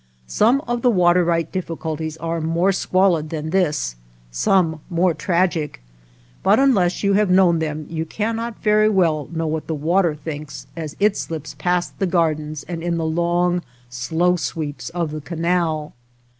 Some of the water right difficulties are more squalid than this, some more tragic ; but unless you have known them you can not very well know what the water thinks as it slips past the gardens and in the long slow sweeps of the canal.